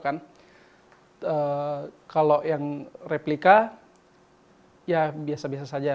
kalau yang replica biasa biasa saja